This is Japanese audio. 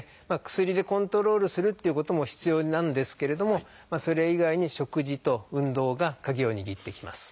薬でコントロールするっていうことも必要なんですけれどもそれ以外に食事と運動が鍵を握ってきます。